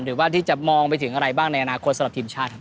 หรือว่าที่จะมองไปถึงอะไรบ้างในอนาคตสำหรับทีมชาติครับ